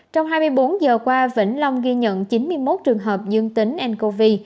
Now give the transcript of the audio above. trong hai mươi bốn giờ qua vĩnh long ghi nhận chín mươi một trường hợp dương tính ncov